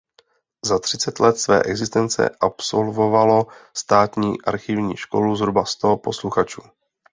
Za třicet let své existence absolvovalo Státní archivní školu zhruba sto posluchačů.